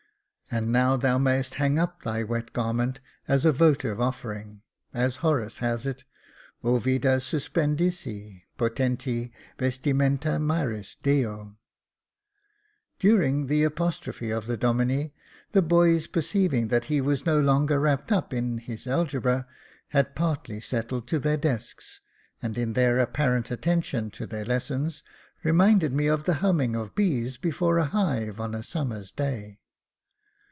382 Jacob Faithful and now thou mayest hang up thy wet garment as a votive offering ; as Horace hath it, Uvida suspendisse potenti 'uest'imenta inar'is Deo" During the apostrophe of the Domine, the boys perceiving that he was no longer wrapped up in his algebra, had partly settled to their desks, and in their apparent attention to their lessons, reminded me of the humming of bees before a hive on a summer's day.